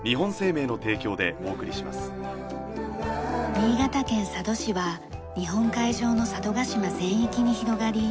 新潟県佐渡市は日本海上の佐渡島全域に広がり